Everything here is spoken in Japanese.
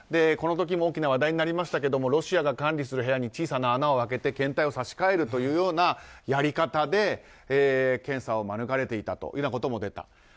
この時も大きな話題になりましたがロシアが管理する部屋に小さな穴を開けて検体を差し替えるというようなやり方で検査を免れていたということも出た。